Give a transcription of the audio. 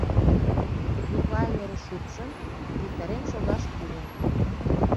Миклайым эре шупшын, виктарен шогаш кӱлын.